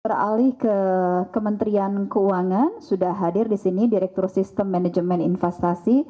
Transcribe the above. beralih ke kementerian keuangan sudah hadir di sini direktur sistem manajemen investasi